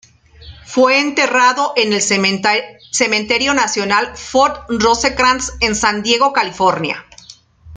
Fue enterrado en el Cementerio Nacional Fort Rosecrans, en San Diego, California.